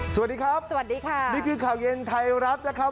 สวัสดีครับสวัสดีค่ะนี่คือข่าวเย็นไทยรัฐนะครับ